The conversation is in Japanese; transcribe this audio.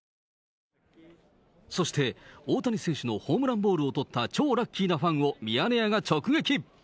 そして大谷選手のホームランボールをとった超ラッキーなファンをミヤネ屋が直撃。